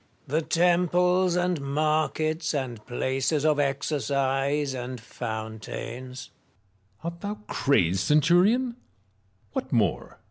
The temples and markets and places of exercise and fountains. Metellus. Art thou crazed, centurion 1 what more